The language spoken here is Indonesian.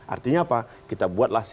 artinya apa kita buatlah